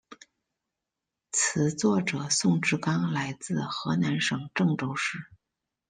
词作者宋志刚来自河南省郑州市。